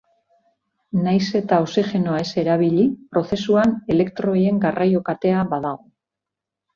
Nahiz eta oxigenoa ez erabili, prozesuan elektroien garraio katea badago.